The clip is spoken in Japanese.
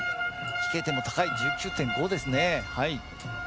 飛型点も高い１９．５ですね。